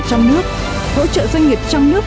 trong nước hỗ trợ doanh nghiệp trong nước